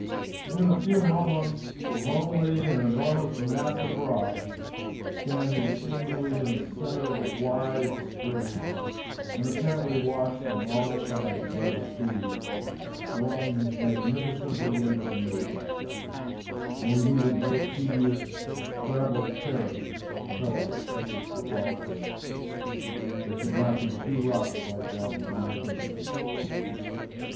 In a few moments a lonely and enormous mass of rock, standing seemingly in the center of the wide strait and apparently washed on all sides by the sea, swung magnificently into view, and we needed no tedious traveled parrot to tell us it was Gibraltar. There could not be two rocks like that in one kingdom.